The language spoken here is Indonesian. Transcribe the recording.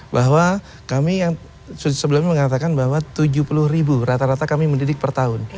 bahwa kami yang sebelumnya mengatakan bahwa tujuh puluh ribu rata rata kami mendidik per tahun